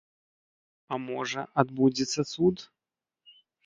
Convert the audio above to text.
А можа, адбудзецца цуд?